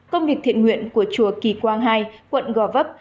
công việc thiện nguyện của chùa kỳ quang hai quận gò vấp